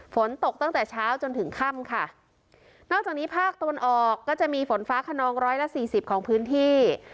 ฝนตกตั้งแต่เช้าจนถึงค่ำค่ะนอกจากนี้ภาคตะวันออกก็จะมีฝนฟ้าขนองร้อยละสี่สิบของพื้นที่